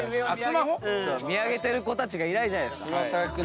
見上げてる子たちがいないじゃないですか。